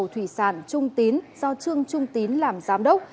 thủy sản trung tín do trương trung tín làm giám đốc